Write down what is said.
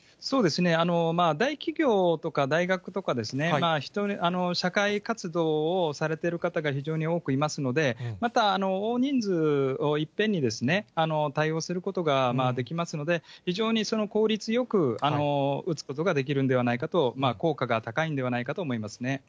大企業とか大学とか、社会活動をされている方が非常に多くいますので、また大人数をいっぺんに対応することができますので、非常に効率よく打つことができるんではないかと、効果が高いんではないかと思いますね。